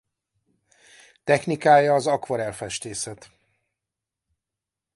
Technikája az akvarell festészet.